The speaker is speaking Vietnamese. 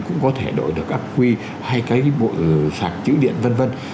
cũng có thể đổi được các quy hay cái sạc chữ điện vân vân